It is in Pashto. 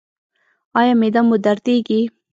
ایا معده مو دردیږي؟